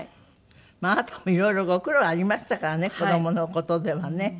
あなたもいろいろご苦労ありましたからね子どもの事ではね。